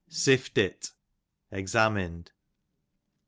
Siftit, examined.